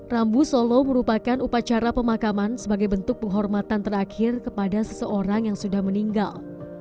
rambu solo merupakan upacara pemakaman sebagai bentuk penghormatan terakhir kepada seseorang yang sudah meninggal